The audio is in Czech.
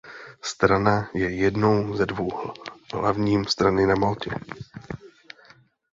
Strana je jednou ze dvou hlavním strany na Maltě.